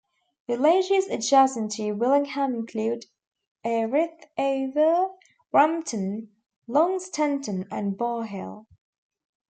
Villages adjacent to Willingham include Earith, Over, Rampton, Longstanton and Bar Hill.